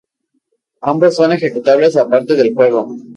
Ambos son ejecutables aparte del juego.